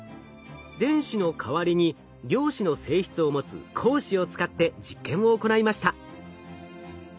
電子の代わりに量子の性質を持つ「光子」を使って実験を行いました。